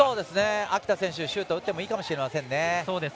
秋田選手、シュートを打ってもいいかもしれませんね。